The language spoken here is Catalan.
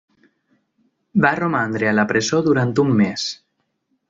Va romandre a la presó durant un mes.